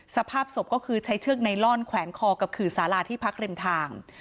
สภาพส่งสก็คือใช้เทือกนายลอนแขวนคอกับขื่อสาลาที่พักเล่นทาง